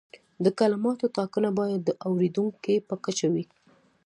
د کلماتو ټاکنه باید د اوریدونکي په کچه وي.